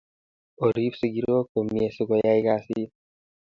Orip sikirok komiet si koyaikasit